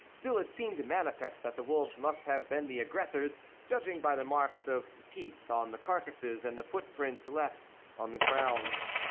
Still it seemed manifest that the wolves must have been the aggressors, judging by the marks of teeth on the carcases and the footprints left on the ground.